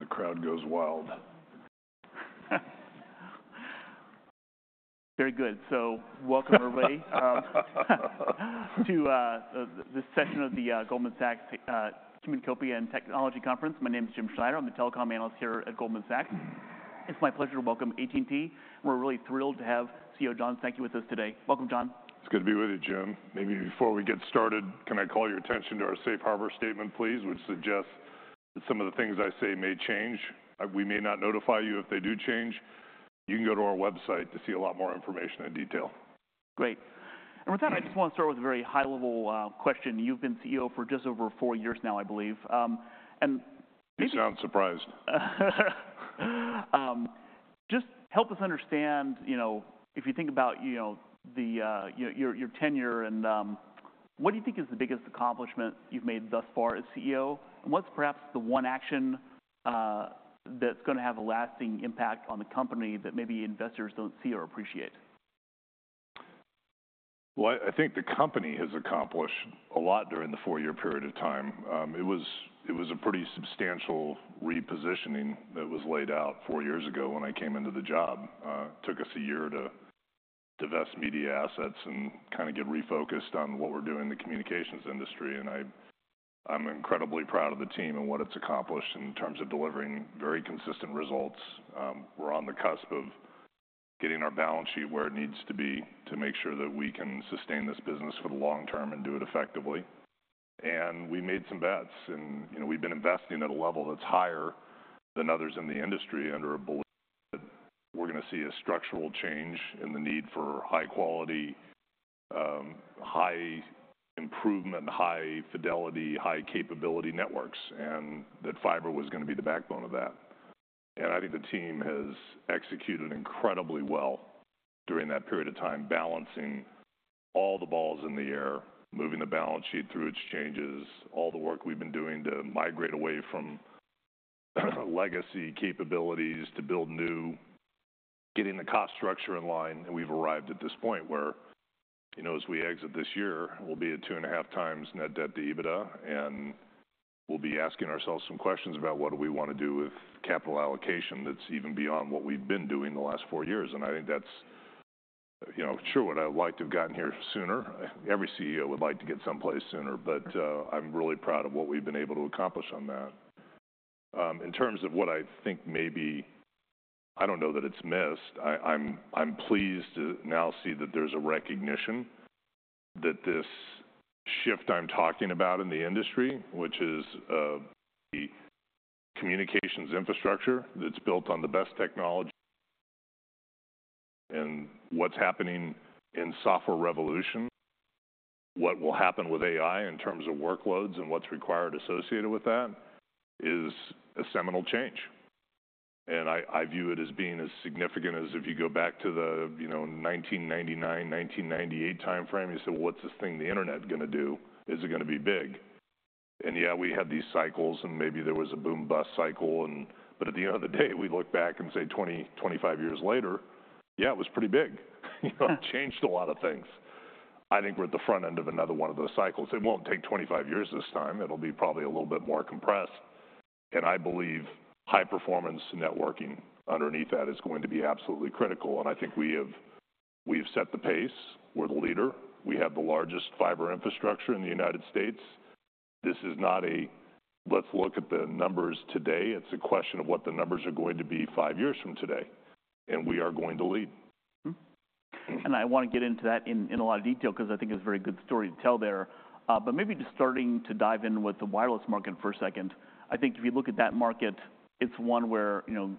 The crowd goes wild. Very good, so welcome, everybody, to this session of the Goldman Sachs Communacopia and Technology Conference. My name is Jim Schneider. I'm the telecom analyst here at Goldman Sachs. It's my pleasure to welcome AT&T. We're really thrilled to have CEO John Stankey with us today. Welcome, John. It's good to be with you, Jim. Maybe before we get started, can I call your attention to our safe harbor statement, please, which suggests that some of the things I say may change. We may not notify you if they do change. You can go to our website to see a lot more information and detail. Great. And with that, I just want to start with a very high-level question. You've been CEO for just over four years now, I believe. And You sound surprised. Just help us understand, you know, if you think about, you know, your tenure and what do you think is the biggest accomplishment you've made thus far as CEO? And what's perhaps the one action that's gonna have a lasting impact on the company that maybe investors don't see or appreciate? I think the company has accomplished a lot during the four-year period of time. It was a pretty substantial repositioning that was laid out four years ago when I came into the job. Took us a year to divest media assets and kind of get refocused on what we're doing in the communications industry, and I'm incredibly proud of the team and what it's accomplished in terms of delivering very consistent results. We're on the cusp of getting our balance sheet where it needs to be, to make sure that we can sustain this business for the long term and do it effectively. And we made some bets, and, you know, we've been investing at a level that's higher than others in the industry under a belief that we're gonna see a structural change in the need for high quality, high improvement, high fidelity, high capability networks, and that fiber was gonna be the backbone of that. And I think the team has executed incredibly well during that period of time, balancing all the balls in the air, moving the balance sheet through its changes, all the work we've been doing to migrate away from legacy capabilities to build new, getting the cost structure in line. We've arrived at this point where, you know, as we exit this year, we'll be at two and a half times net debt to EBITDA, and we'll be asking ourselves some questions about what do we want to do with capital allocation that's even beyond what we've been doing the last four years. I think that's, you know... Sure, would I have liked to have gotten here sooner? Every CEO would like to get someplace sooner, but, I'm really proud of what we've been able to accomplish on that. In terms of what I think maybe, I don't know that it's missed. I'm pleased to now see that there's a recognition that this shift I'm talking about in the industry, which is the communications infrastructure that's built on the best technology and what's happening in software revolution, what will happen with AI in terms of workloads and what's required associated with that, is a seminal change. And I view it as being as significant as if you go back to the, you know, 1999, 1998 timeframe. You say, "Well, what's this thing, the internet, gonna do? Is it gonna be big?" And yeah, we had these cycles, and maybe there was a boom-bust cycle, but at the end of the day, we look back and say, twenty-five years later, "Yeah, it was pretty big. Yeah. You know, it changed a lot of things. I think we're at the front end of another one of those cycles. It won't take 25 years this time. It'll be probably a little bit more compressed, and I believe high-performance networking underneath that is going to be absolutely critical, and I think we've set the pace. We're the leader. We have the largest fiber infrastructure in the United States. This is not a "let's look at the numbers today." It's a question of what the numbers are going to be five years from today, and we are going to lead. Mm-hmm. And I want to get into that in a lot of detail because I think it's a very good story to tell there. But maybe just starting to dive in with the wireless market for a second. I think if you look at that market, it's one where, you know,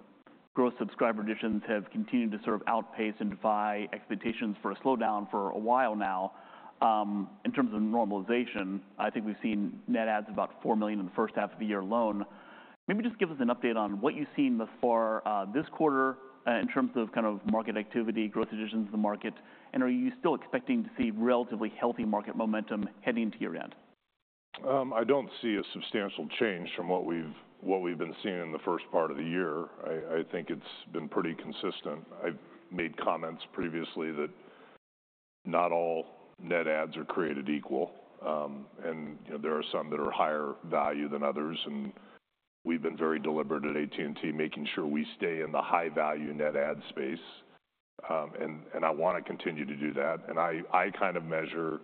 growth subscriber additions have continued to sort of outpace and defy expectations for a slowdown for a while now. In terms of normalization, I think we've seen net adds about four million in the first half of the year alone. Maybe just give us an update on what you've seen thus far this quarter in terms of kind of market activity, growth additions to the market, and are you still expecting to see relatively healthy market momentum heading into year-end? I don't see a substantial change from what we've been seeing in the first part of the year. I think it's been pretty consistent. I've made comments previously that not all net adds are created equal, and, you know, there are some that are higher value than others, and we've been very deliberate at AT&T, making sure we stay in the high-value net add space. I want to continue to do that. I kind of measure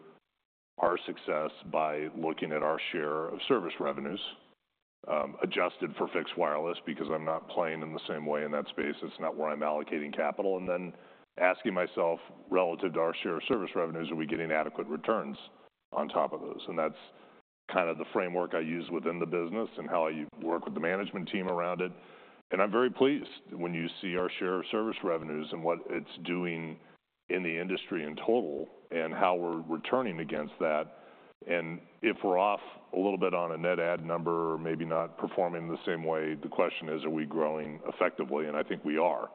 our success by looking at our share of service revenues, adjusted for fixed wireless, because I'm not playing in the same way in that space. It's not where I'm allocating capital. Then asking myself, relative to our share of service revenues, are we getting adequate returns on top of those? And that's kind of the framework I use within the business and how I work with the management team around it, and I'm very pleased when you see our share of service revenues and what it's doing in the industry in total and how we're returning against that. And if we're off a little bit on a net add number or maybe not performing the same way, the question is, are we growing effectively? And I think we are.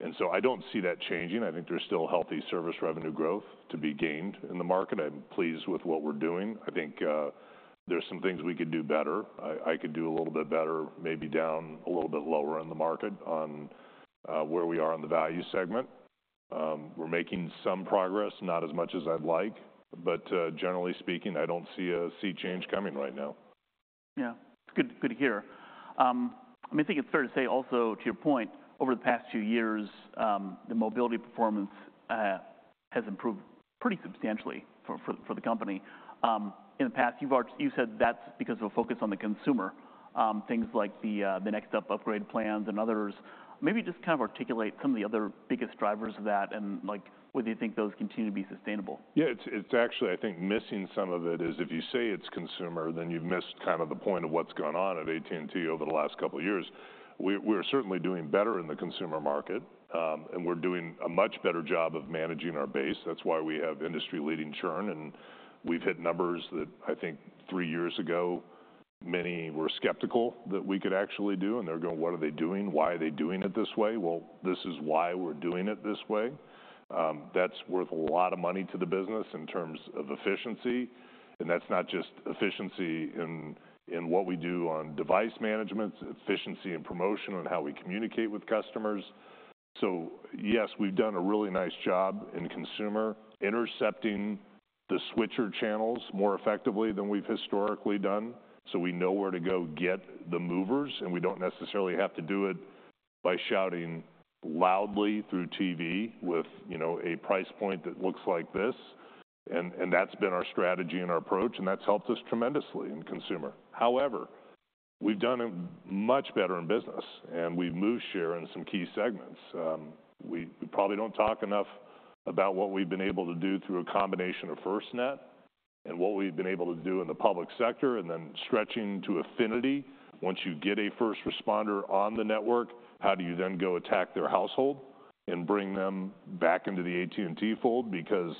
And so I don't see that changing. I think there's still healthy service revenue growth to be gained in the market. I'm pleased with what we're doing. I think, there's some things we could do better. I could do a little bit better, maybe down a little bit lower in the market on where we are on the value segment. We're making some progress, not as much as I'd like, but generally speaking, I don't see a sea change coming right now. Yeah, it's good, good to hear. Let me think, it's fair to say also to your point, over the past few years, the mobility performance has improved pretty substantially for the company. In the past, you've said that's because of a focus on the consumer, things like the Next Up upgrade plans and others. Maybe just kind of articulate some of the other biggest drivers of that, and, like, whether you think those continue to be sustainable. Yeah, it's actually, I think, missing some of it is if you say it's consumer, then you've missed kind of the point of what's gone on at AT&T over the last couple of years. We're certainly doing better in the consumer market, and we're doing a much better job of managing our base. That's why we have industry-leading churn, and we've hit numbers that I think three years ago, many were skeptical that we could actually do, and they're going, "What are they doing? Why are they doing it this way?" Well, this is why we're doing it this way. That's worth a lot of money to the business in terms of efficiency, and that's not just efficiency in what we do on device management, it's efficiency in promotion, on how we communicate with customers. So yes, we've done a really nice job in consumer, intercepting the switcher channels more effectively than we've historically done, so we know where to go get the movers, and we don't necessarily have to do it by shouting loudly through TV with, you know, a price point that looks like this. And that's been our strategy and our approach, and that's helped us tremendously in consumer. However, we've done it much better in business, and we've moved share in some key segments. We probably don't talk enough about what we've been able to do through a combination of FirstNet and what we've been able to do in the public sector, and then stretching to affinity. Once you get a first responder on the network, how do you then go attack their household and bring them back into the AT&T fold? Because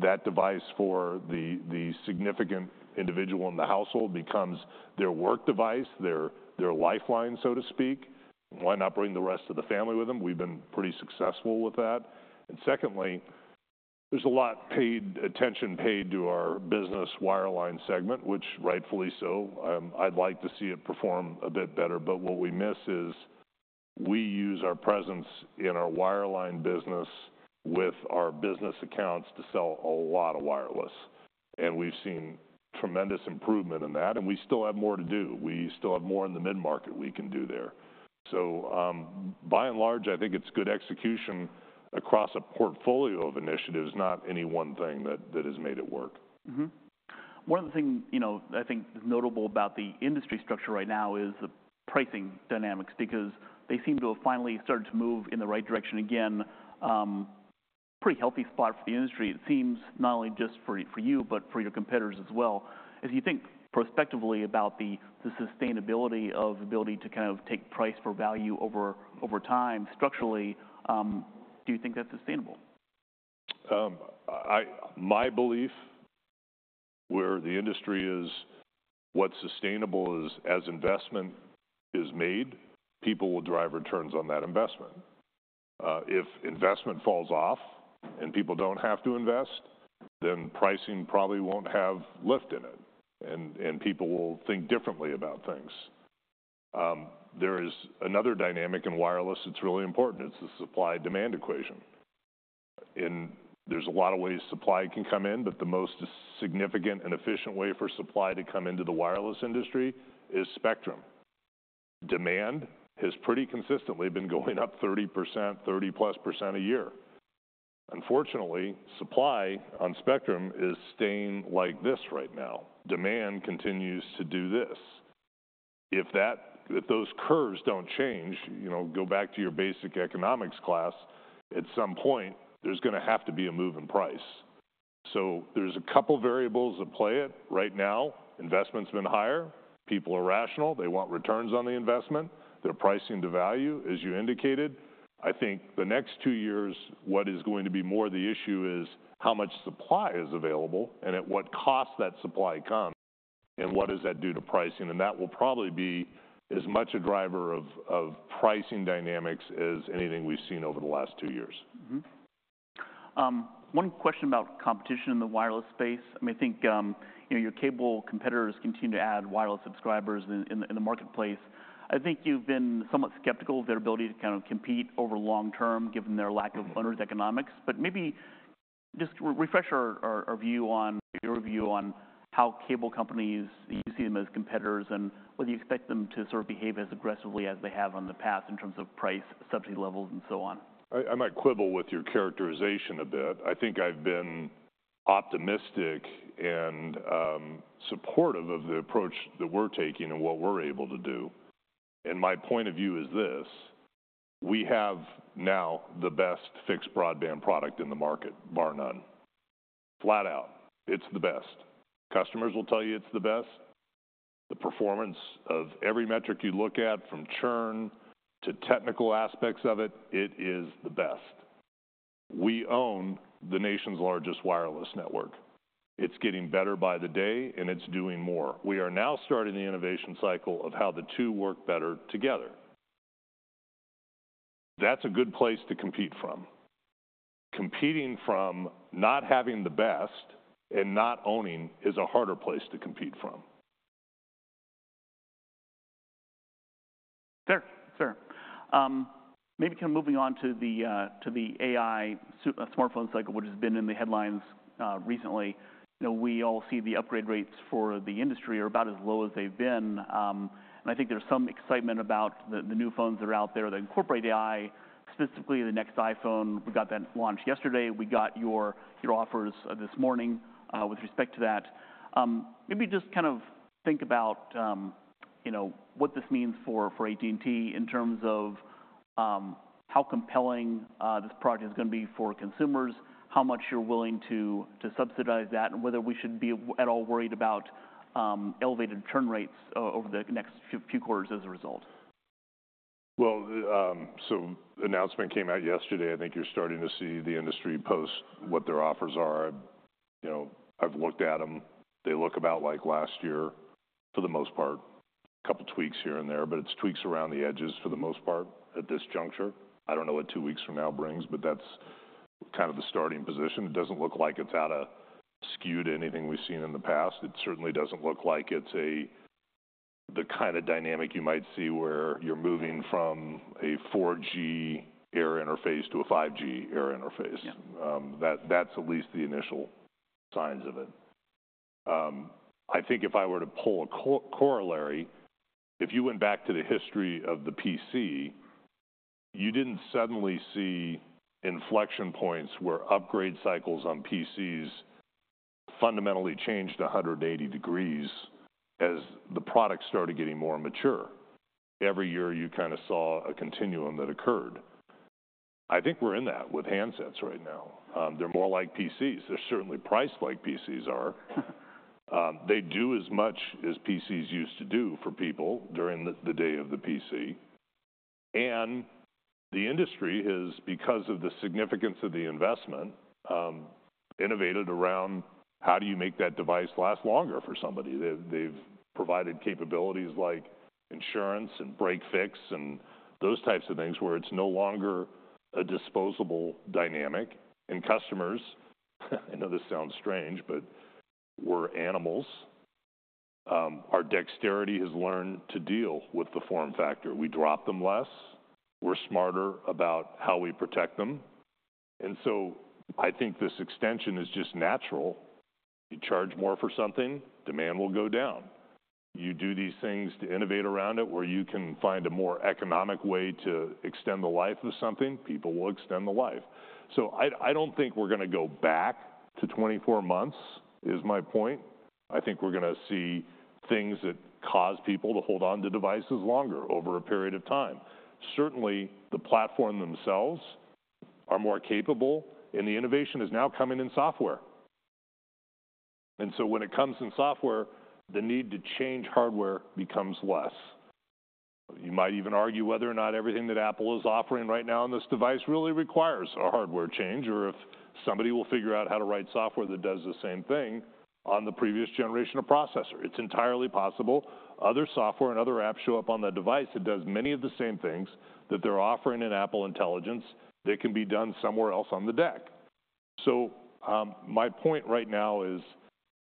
that device for the significant individual in the household becomes their work device, their lifeline, so to speak. Why not bring the rest of the family with them? We've been pretty successful with that. Secondly, there's a lot of attention paid to our business wireline segment, which, rightfully so. I'd like to see it perform a bit better. But what we miss is we use our presence in our wireline business with our business accounts to sell a lot of wireless, and we've seen tremendous improvement in that, and we still have more to do. We still have more in the mid-market we can do there. So, by and large, I think it's good execution across a portfolio of initiatives, not any one thing that has made it work. Mm-hmm. One of the things, you know, I think is notable about the industry structure right now is the pricing dynamics, because they seem to have finally started to move in the right direction again. Pretty healthy spot for the industry, it seems, not only just for you, but for your competitors as well. As you think prospectively about the sustainability of ability to kind of take price for value over time, structurally, do you think that's sustainable? My belief, where the industry is, what's sustainable is as investment is made, people will drive returns on that investment. If investment falls off and people don't have to invest, then pricing probably won't have lift in it, and, and people will think differently about things. There is another dynamic in wireless that's really important, it's the supply-demand equation. And there's a lot of ways supply can come in, but the most significant and efficient way for supply to come into the wireless industry is Spectrum. Demand has pretty consistently been going up 30%, 30%+ a year. Unfortunately, supply on Spectrum is staying like this right now. Demand continues to do this. If those curves don't change, you know, go back to your basic economics class, at some point, there's gonna have to be a move in price. So there's a couple variables at play right now. Investment's been higher. People are rational. They want returns on the investment. They're pricing to value, as you indicated. I think the next two years, what is going to be more the issue is how much supply is available and at what cost that supply comes, and what does that do to pricing? And that will probably be as much a driver of, of pricing dynamics as anything we've seen over the last two years. Mm-hmm. One question about competition in the wireless space. I think, you know, your cable competitors continue to add wireless subscribers in the marketplace. I think you've been somewhat skeptical of their ability to kind of compete over long term, given their lack of ownership economics. But maybe just refresh our view on your view on how cable companies, you see them as competitors, and whether you expect them to sort of behave as aggressively as they have in the past in terms of price, subsidy levels, and so on. I might quibble with your characterization a bit. I think I've been optimistic and supportive of the approach that we're taking and what we're able to do, and my point of view is this: we have now the best fixed broadband product in the market, bar none. Flat out, it's the best. Customers will tell you it's the best. The performance of every metric you look at, from churn to technical aspects of it, it is the best. We own the nation's largest wireless network. It's getting better by the day, and it's doing more. We are now starting the innovation cycle of how the two work better together. That's a good place to compete from. Competing from not having the best and not owning is a harder place to compete from.... Sure, sure. Maybe kind of moving on to the AI smartphone cycle, which has been in the headlines recently. You know, we all see the upgrade rates for the industry are about as low as they've been. And I think there's some excitement about the new phones that are out there that incorporate AI, specifically the next iPhone. We got that launch yesterday. We got your offers this morning with respect to that. Maybe just kind of think about you know what this means for AT&T in terms of how compelling this product is going to be for consumers, how much you're willing to subsidize that, and whether we should be at all worried about elevated churn rates over the next few quarters as a result. An announcement came out yesterday. I think you're starting to see the industry post what their offers are. You know, I've looked at them. They look about like last year, for the most part, a couple tweaks here and there, but it's tweaks around the edges for the most part at this juncture. I don't know what two weeks from now brings, but that's kind of the starting position. It doesn't look like it's askew to anything we've seen in the past. It certainly doesn't look like it's the kind of dynamic you might see where you're moving from a 4G air interface to a 5G air interface. Yeah. That, that's at least the initial signs of it. I think if I were to pull a corollary, if you went back to the history of the PC, you didn't suddenly see inflection points where upgrade cycles on PCs fundamentally changed a hundred and eighty degrees as the product started getting more mature. Every year, you kind of saw a continuum that occurred. I think we're in that with handsets right now. They're more like PCs. They're certainly priced like PCs are. They do as much as PCs used to do for people during the day of the PC, and the industry has, because of the significance of the investment, innovated around, how do you make that device last longer for somebody? They've provided capabilities like insurance and break-fix and those types of things, where it's no longer a disposable dynamic. Customers, I know this sounds strange, but we're animals. Our dexterity has learned to deal with the form factor. We drop them less. We're smarter about how we protect them. And so I think this extension is just natural. You charge more for something, demand will go down. You do these things to innovate around it, where you can find a more economic way to extend the life of something, people will extend the life. So I don't think we're going to go back to twenty-four months, is my point. I think we're going to see things that cause people to hold on to devices longer over a period of time. Certainly, the platform themselves are more capable, and the innovation is now coming in software. And so when it comes in software, the need to change hardware becomes less. You might even argue whether or not everything that Apple is offering right now on this device really requires a hardware change, or if somebody will figure out how to write software that does the same thing on the previous generation of processor. It's entirely possible. Other software and other apps show up on that device that does many of the same things that they're offering in Apple Intelligence that can be done somewhere else on the device. So, my point right now is,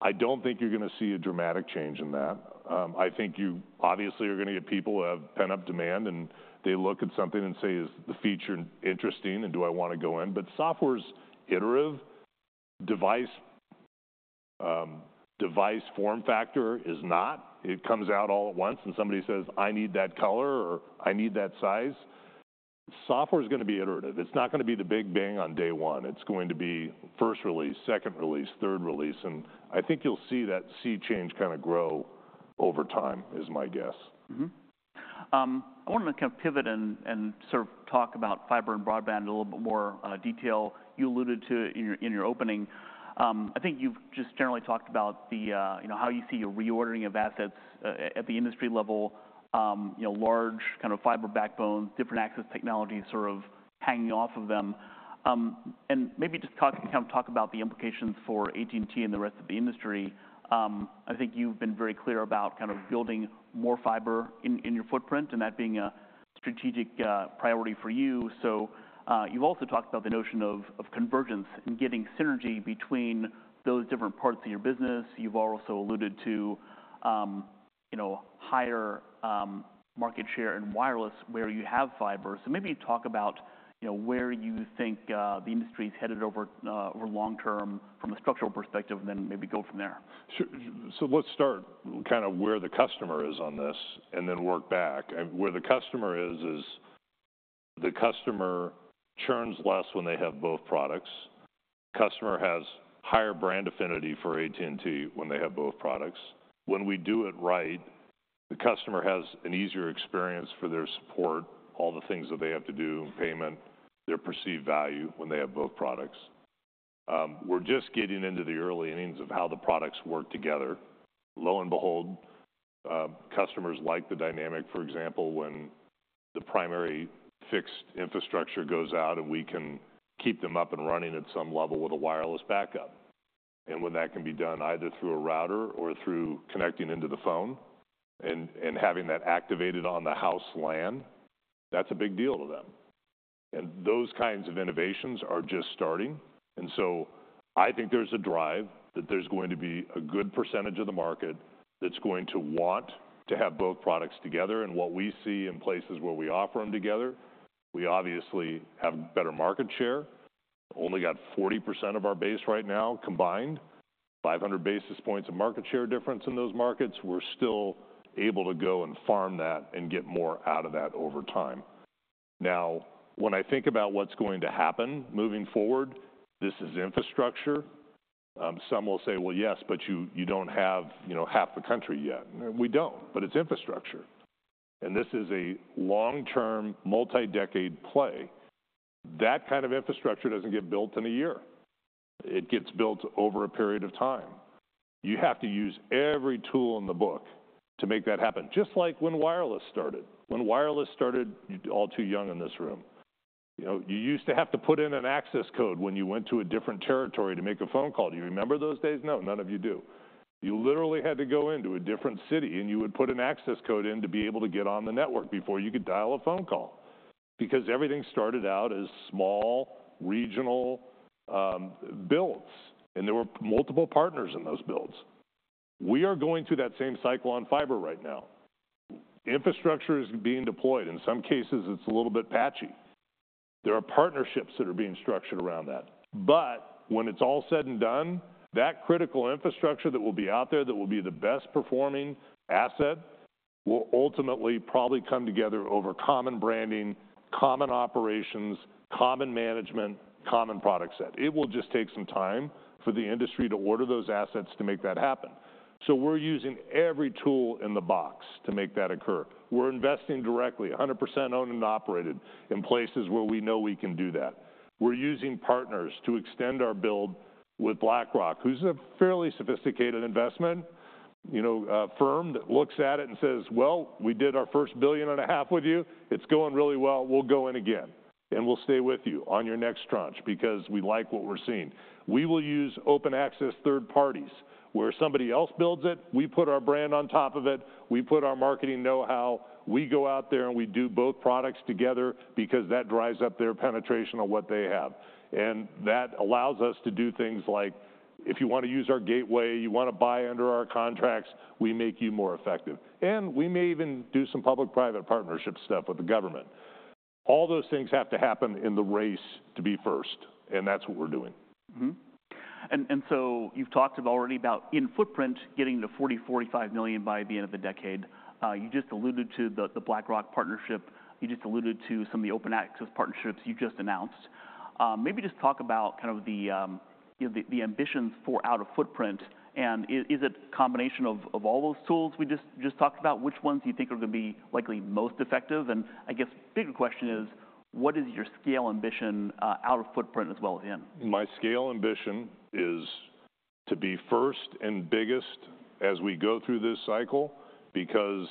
I don't think you're going to see a dramatic change in that. I think you obviously are going to get people who have pent-up demand, and they look at something and say, "Is the feature interesting, and do I want to go in?" But software's iterative. Device form factor is not. It comes out all at once, and somebody says, "I need that color," or, "I need that size." Software's going to be iterative. It's not going to be the big bang on day one. It's going to be first release, second release, third release, and I think you'll see that sea change kind of grow over time, is my guess. I want to kind of pivot and sort of talk about fiber and broadband a little bit more detail. You alluded to it in your opening. I think you've just generally talked about the you know, how you see a reordering of assets at the industry level, you know, large kind of fiber backbones, different access technologies sort of hanging off of them. And maybe just kind of talk about the implications for AT&T and the rest of the industry. I think you've been very clear about kind of building more fiber in your footprint and that being a strategic priority for you. So, you've also talked about the notion of convergence and getting synergy between those different parts of your business. You've also alluded to, you know, higher market share in wireless, where you have fiber. So maybe talk about, you know, where you think the industry's headed over long term from a structural perspective, and then maybe go from there. Sure, so let's start kind of where the customer is on this and then work back, and where the customer is, is the customer churns less when they have both products. Customer has higher brand affinity for AT&T when they have both products. When we do it right, the customer has an easier experience for their support, all the things that they have to do, payment, their perceived value when they have both products. We're just getting into the early innings of how the products work together. Lo and behold, customers like the dynamic, for example, when the primary fixed infrastructure goes out, and we can keep them up and running at some level with a wireless backup, and when that can be done either through a router or through connecting into the phone and having that activated on the house LAN-... That's a big deal to them, and those kinds of innovations are just starting. So I think there's a drive that there's going to be a good percentage of the market that's going to want to have both products together, and what we see in places where we offer them together, we obviously have better market share. Only got 40% of our base right now combined, 500 basis points of market share difference in those markets. We're still able to go and farm that and get more out of that over time. Now, when I think about what's going to happen moving forward, this is infrastructure. Some will say, "Well, yes, but you don't have, you know, half the country yet." We don't, but it's infrastructure, and this is a long-term, multi-decade play. That kind of infrastructure doesn't get built in a year. It gets built over a period of time. You have to use every tool in the book to make that happen, just like when wireless started. When wireless started, you're all too young in this room. You know, you used to have to put in an access code when you went to a different territory to make a phone call. Do you remember those days? No, none of you do. You literally had to go into a different city, and you would put an access code in to be able to get on the network before you could dial a phone call because everything started out as small, regional, builds, and there were multiple partners in those builds. We are going through that same cycle on fiber right now. Infrastructure is being deployed. In some cases, it's a little bit patchy. There are partnerships that are being structured around that. But when it's all said and done, that critical infrastructure that will be out there, that will be the best performing asset, will ultimately probably come together over common branding, common operations, common management, common product set. It will just take some time for the industry to order those assets to make that happen. So we're using every tool in the box to make that occur. We're investing directly, 100% owned and operated, in places where we know we can do that. We're using partners to extend our build with BlackRock, who's a fairly sophisticated investment, you know, firm, that looks at it and says, "Well, we did our first $1.5 billion with you. It's going really well. We'll go in again, and we'll stay with you on your next tranche because we like what we're seeing." We will use open-access third parties, where somebody else builds it, we put our brand on top of it, we put our marketing know-how, we go out there, and we do both products together because that drives up their penetration of what they have. And that allows us to do things like, if you want to use our gateway, you want to buy under our contracts, we make you more effective. And we may even do some public/private partnership stuff with the government. All those things have to happen in the race to be first, and that's what we're doing. Mm-hmm. And so you've talked already about in footprint, getting to 40 million-45 million by the end of the decade. You just alluded to the BlackRock partnership. You just alluded to some of the open-access partnerships you just announced. Maybe just talk about kind of, you know, the ambitions for out of footprint, and is it a combination of all those tools we just talked about? Which ones do you think are going to be likely most effective? And I guess bigger question is, what is your scale ambition out of footprint as well as in? My scale ambition is to be first and biggest as we go through this cycle, because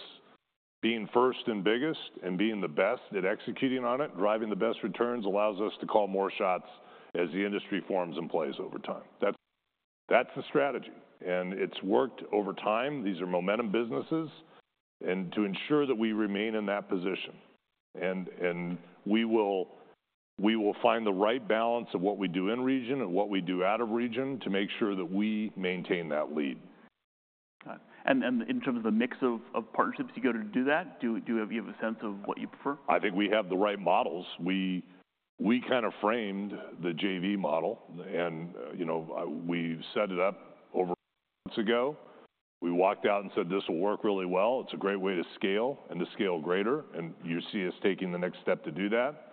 being first and biggest and being the best at executing on it, driving the best returns, allows us to call more shots as the industry forms and plays over time. That's the strategy, and it's worked over time. These are momentum businesses, and to ensure that we remain in that position, we will find the right balance of what we do in region and what we do out of region to make sure that we maintain that lead. Got it. And in terms of the mix of partnerships to go to do that, do you have a sense of what you prefer? I think we have the right models. We kind of framed the JV model and, you know, we've set it up over months ago. We walked out and said, "This will work really well. It's a great way to scale and to scale greater," and you see us taking the next step to do that.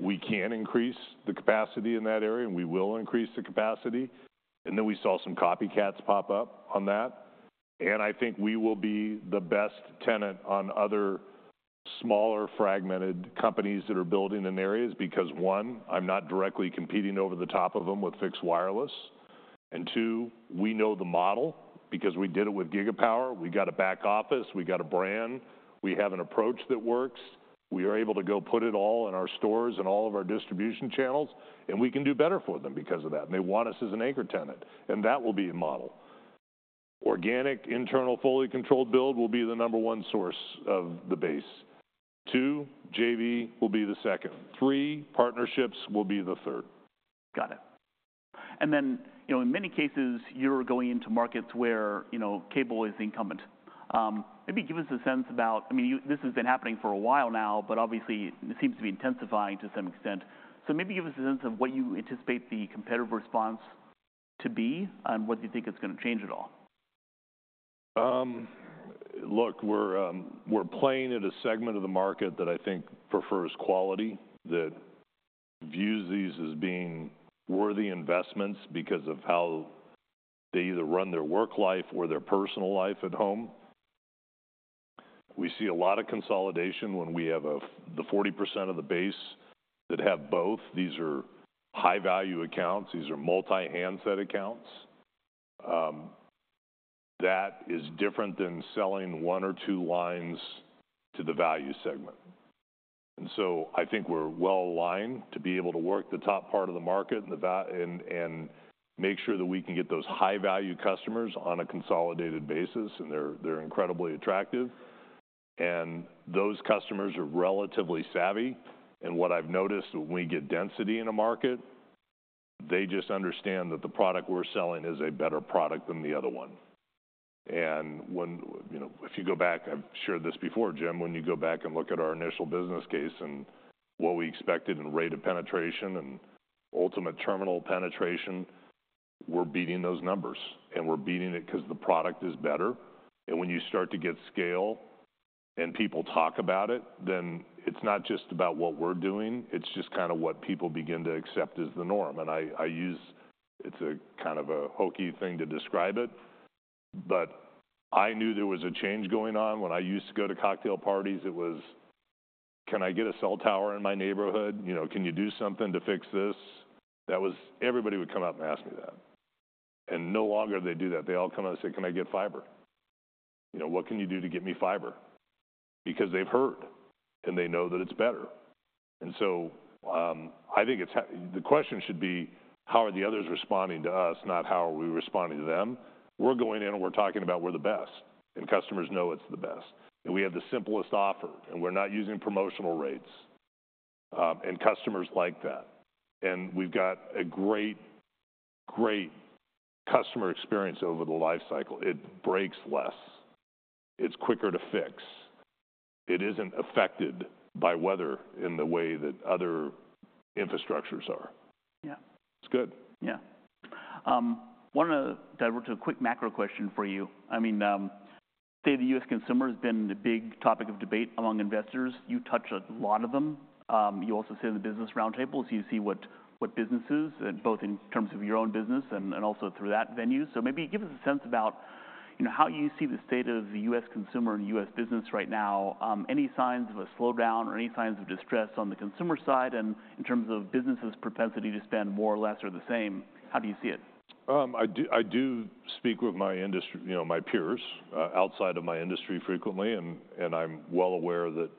We can increase the capacity in that area, and we will increase the capacity. And then we saw some copycats pop up on that, and I think we will be the best tenant on other smaller, fragmented companies that are building in areas. Because, one, I'm not directly competing over the top of them with fixed wireless, and two, we know the model because we did it with Gigapower. We got a back office, we got a brand, we have an approach that works. We are able to go put it all in our stores and all of our distribution channels, and we can do better for them because of that, and they want us as an anchor tenant, and that will be a model. Organic, internal, fully controlled build will be the number one source of the base. Two, JV will be the second. Three, partnerships will be the third. Got it. And then, you know, in many cases, you're going into markets where, you know, cable is incumbent. Maybe give us a sense about... I mean, this has been happening for a while now, but obviously, it seems to be intensifying to some extent. So maybe give us a sense of what you anticipate the competitive response to be, and what you think is going to change at all. Look, we're playing in a segment of the market that I think prefers quality, that views these as being worthy investments because of how they either run their work life or their personal life at home. We see a lot of consolidation when we have the 40% of the base that have both. These are high-value accounts. These are multi-handset accounts. That is different than selling one or two lines to the value segment. And so I think we're well-aligned to be able to work the top part of the market, and, and make sure that we can get those high-value customers on a consolidated basis, and they're, they're incredibly attractive, and those customers are relatively savvy. And what I've noticed when we get density in a market... They just understand that the product we're selling is a better product than the other one. And when, you know, if you go back, I've shared this before, Jim, when you go back and look at our initial business case and what we expected in rate of penetration and ultimate terminal penetration, we're beating those numbers, and we're beating it 'cause the product is better. And when you start to get scale and people talk about it, then it's not just about what we're doing, it's just kind of what people begin to accept as the norm. And I use. It's a kind of a hokey thing to describe it, but I knew there was a change going on. When I used to go to cocktail parties, it was, "Can I get a cell tower in my neighborhood? You know, can you do something to fix this?" That was. Everybody would come up and ask me that, and no longer they do that. They all come out and say, "Can I get fiber? You know, what can you do to get me fiber?" Because they've heard, and they know that it's better. And so, I think it's the question should be: How are the others responding to us? Not how are we responding to them. We're going in and we're talking about we're the best, and customers know it's the best. And we have the simplest offer, and we're not using promotional rates. And customers like that. And we've got a great, great customer experience over the life cycle. It breaks less, it's quicker to fix. It isn't affected by weather in the way that other infrastructures are. Yeah. It's good. Yeah. Wanna divert to a quick macro question for you. I mean, say, the U.S. consumer has been a big topic of debate among investors. You touch a lot of them. You also sit in the business roundtables, you see what businesses, both in terms of your own business and also through that venue. So maybe give us a sense about, you know, how you see the state of the U.S. consumer and U.S. business right now. Any signs of a slowdown or any signs of distress on the consumer side, and in terms of businesses' propensity to spend more or less or the same, how do you see it? I do speak with my industry, you know, my peers outside of my industry frequently, and I'm well aware that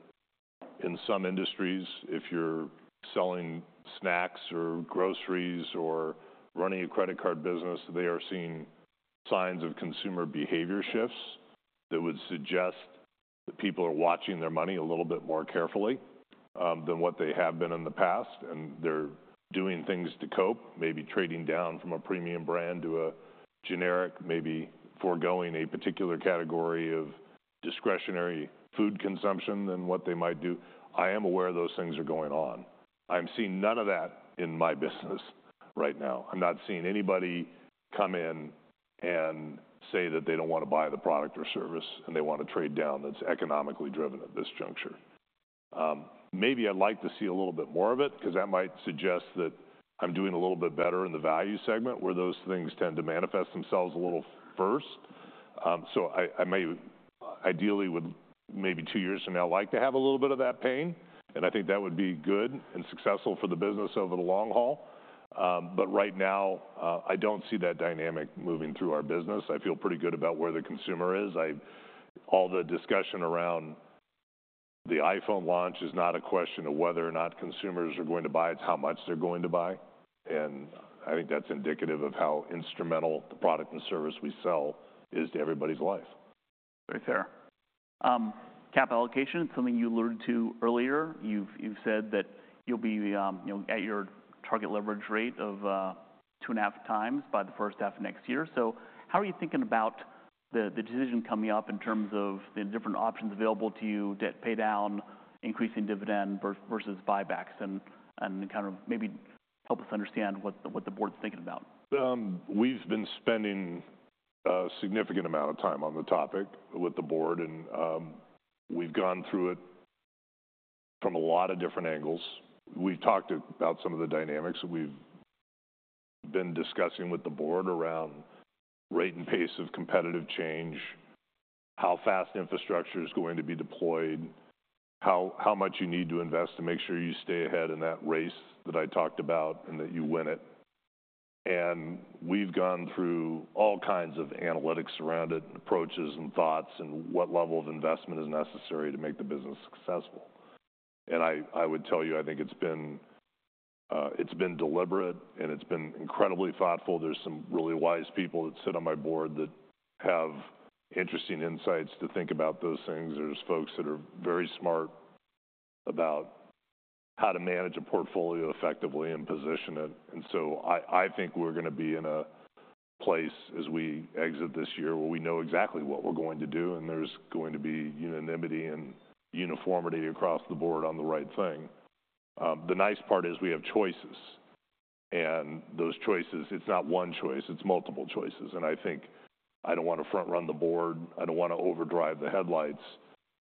in some industries, if you're selling snacks or groceries or running a credit card business, they are seeing signs of consumer behavior shifts that would suggest that people are watching their money a little bit more carefully than what they have been in the past, and they're doing things to cope, maybe trading down from a premium brand to a generic, maybe foregoing a particular category of discretionary food consumption than what they might do. I am aware those things are going on. I'm seeing none of that in my business right now. I'm not seeing anybody come in and say that they don't wanna buy the product or service, and they want to trade down, that's economically driven at this juncture. Maybe I'd like to see a little bit more of it, 'cause that might suggest that I'm doing a little bit better in the value segment, where those things tend to manifest themselves a little first. So I may, ideally, would, maybe two years from now, like to have a little bit of that pain, and I think that would be good and successful for the business over the long haul. But right now, I don't see that dynamic moving through our business. I feel pretty good about where the consumer is. All the discussion around the iPhone launch is not a question of whether or not consumers are going to buy, it's how much they're going to buy, and I think that's indicative of how instrumental the product and service we sell is to everybody's life. Right there. Cap allocation, it's something you alluded to earlier. You've said that you'll be, you know, at your target leverage rate of two and a half times by the first half of next year. So how are you thinking about the decision coming up in terms of the different options available to you, debt paydown, increasing dividend versus buybacks and kind of maybe help us understand what the board's thinking about? We've been spending a significant amount of time on the topic with the board, and we've gone through it from a lot of different angles. We've talked about some of the dynamics, and we've been discussing with the board around rate and pace of competitive change, how fast infrastructure is going to be deployed, how much you need to invest to make sure you stay ahead in that race that I talked about, and that you win it. We've gone through all kinds of analytics around it, approaches and thoughts, and what level of investment is necessary to make the business successful. I would tell you, I think it's been deliberate, and it's been incredibly thoughtful. There's some really wise people that sit on my board that have interesting insights to think about those things. There's folks that are very smart about how to manage a portfolio effectively and position it. And so I, I think we're gonna be in a place, as we exit this year, where we know exactly what we're going to do, and there's going to be unanimity and uniformity across the board on the right thing. The nice part is we have choices, and those choices, it's not one choice, it's multiple choices. And I think I don't wanna front run the board, I don't wanna overdrive the headlights,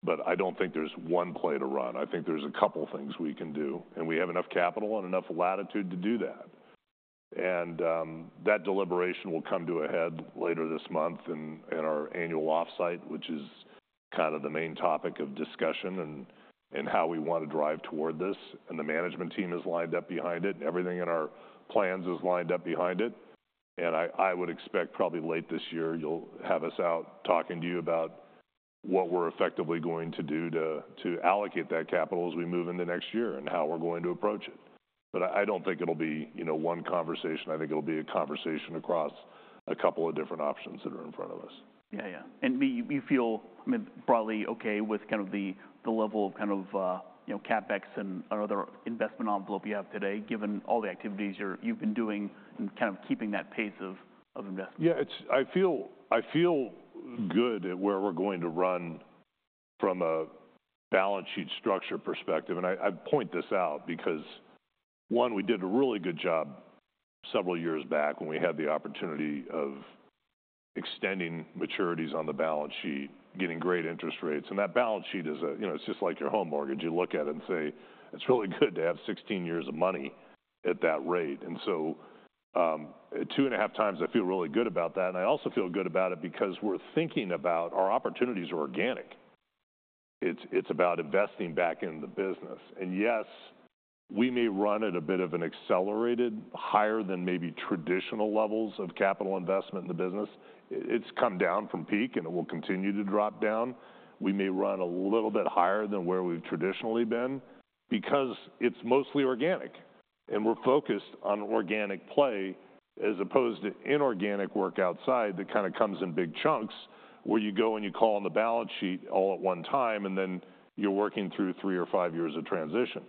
but I don't think there's one play to run. I think there's a couple things we can do, and we have enough capital and enough latitude to do that. That deliberation will come to a head later this month in our annual offsite, which is kind of the main topic of discussion and how we wanna drive toward this, and the management team is lined up behind it. Everything in our plans is lined up behind it, and I would expect probably late this year, you'll have us out talking to you about what we're effectively going to do to allocate that capital as we move into next year and how we're going to approach it, but I don't think it'll be, you know, one conversation. I think it'll be a conversation across a couple of different options that are in front of us. Yeah, yeah. And we, you feel, I mean, broadly okay with kind of the level of kind of, you know, CapEx and other investment envelope you have today, given all the activities you've been doing and kind of keeping that pace of investment? Yeah, it's I feel good at where we're going to run from a balance sheet structure perspective, and I point this out because, one, we did a really good job several years back when we had the opportunity of extending maturities on the balance sheet, getting great interest rates. And that balance sheet is a, you know, it's just like your home mortgage. You look at it and say, "It's really good to have sixteen years of money at that rate." And so, at two and a half times, I feel really good about that, and I also feel good about it because we're thinking about our opportunities are organic. It's about investing back in the business. And yes, we may run at a bit of an accelerated, higher than maybe traditional levels of capital investment in the business. It's come down from peak, and it will continue to drop down. We may run a little bit higher than where we've traditionally been because it's mostly organic, and we're focused on organic play as opposed to inorganic work outside that kind of comes in big chunks, where you go and you call on the balance sheet all at one time, and then you're working through three or five years of transition.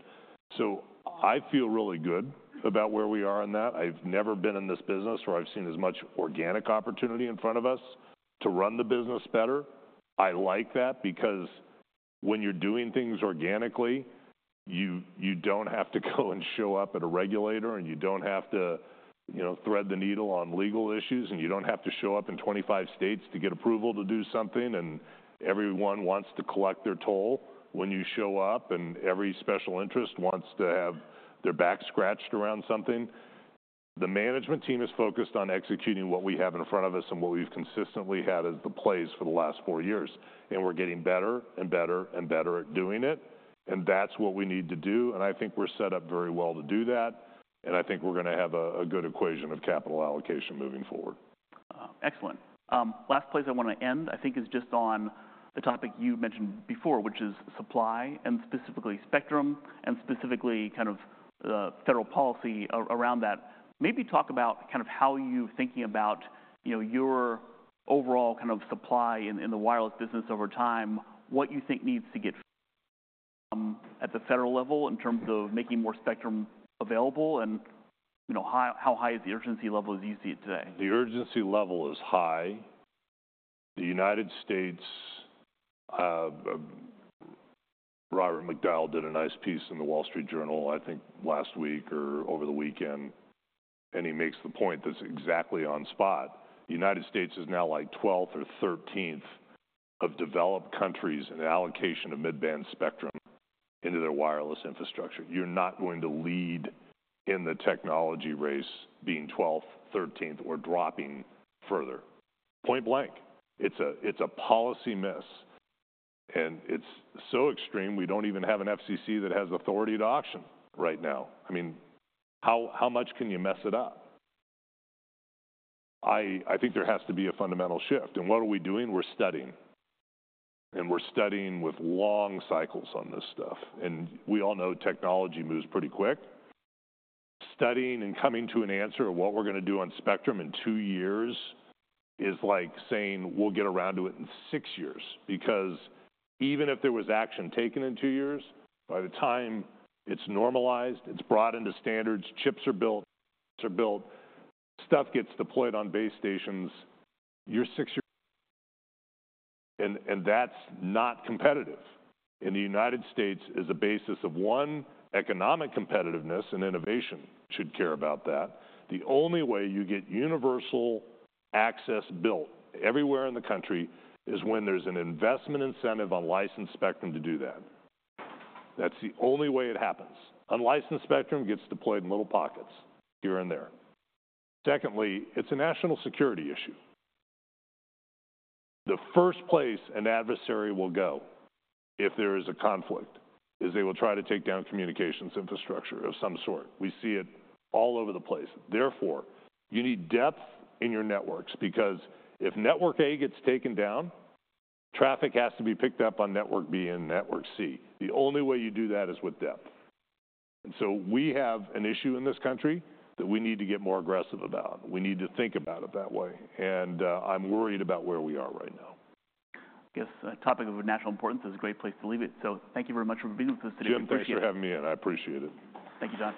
So I feel really good about where we are on that. I've never been in this business where I've seen as much organic opportunity in front of us to run the business better. I like that because when you're doing things organically, you don't have to go and show up at a regulator, and you don't have to, you know, thread the needle on legal issues, and you don't have to show up in twenty-five states to get approval to do something, and everyone wants to collect their toll when you show up, and every special interest wants to have their back scratched around something. The management team is focused on executing what we have in front of us and what we've consistently had as the plays for the last four years, and we're getting better and better and better at doing it, and that's what we need to do, and I think we're set up very well to do that, and I think we're gonna have a good equation of capital allocation moving forward. Excellent. Last place I wanna end, I think, is just on the topic you mentioned before, which is supply and specifically Spectrum and specifically kind of federal policy around that. Maybe talk about kind of how you're thinking about, you know, your overall kind of supply in the wireless business over time, what you think needs to get at the federal level in terms of making more Spectrum available and, you know, how high is the urgency level as you see it today? The urgency level is high. The United States, Robert McDowell did a nice piece in the Wall Street Journal, I think last week or over the weekend, and he makes the point that's exactly on point. The United States is now, like, twelfth or thirteenth of developed countries in allocation of mid-band Spectrum into their wireless infrastructure. You're not going to lead in the technology race being twelfth, thirteenth, or dropping further. Point-blank, it's a policy miss, and it's so extreme we don't even have an FCC that has authority to auction right now. I mean, how much can you mess it up? I think there has to be a fundamental shift, and what are we doing? We're studying with long cycles on this stuff, and we all know technology moves pretty quick. Studying and coming to an answer of what we're gonna do on Spectrum in two years is like saying we'll get around to it in six years because even if there was action taken in two years, by the time it's normalized, it's brought into standards, chips are built, stuff gets deployed on base stations, you're six years, and that's not competitive. In the United States, as a basis of, one, economic competitiveness and innovation should care about that. The only way you get universal access built everywhere in the country is when there's an investment incentive on licensed Spectrum to do that. That's the only way it happens. Unlicensed Spectrum gets deployed in little pockets here and there. Secondly, it's a national security issue. The first place an adversary will go if there is a conflict, is they will try to take down communications infrastructure of some sort. We see it all over the place. Therefore, you need depth in your networks because if network A gets taken down, traffic has to be picked up on network B and network C. The only way you do that is with depth. So we have an issue in this country that we need to get more aggressive about. We need to think about it that way, and, I'm worried about where we are right now. I guess the topic of national importance is a great place to leave it. So thank you very much for being with us today. Jim, thanks for having me, and I appreciate it. Thank you, John.